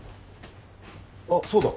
あっそうだ。